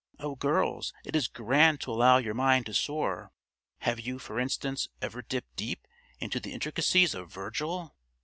Oh, girls, it is grand to allow your mind to soar! Have you, for instance, ever dipped deep into the intricacies of Virgil?"